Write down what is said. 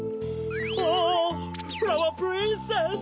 おぉフラワープリンセス！